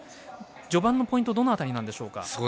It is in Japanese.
序盤のポイントはどの辺りなんでしょうか？